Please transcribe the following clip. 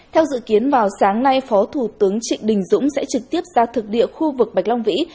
theo dự kiến vào sáng nay phó thủ tướng trịnh đình dũng sẽ trực tiếp ra thực địa khu vực bạch long vĩ